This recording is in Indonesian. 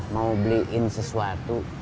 mau beliin sesuatu